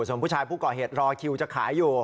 ส่วนผู้ชายผู้ก่อเหตุรอคิวจะขายอยู่